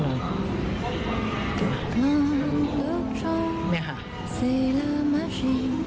ดูเด็กลงมานิดหนึ่ง๑๕ปี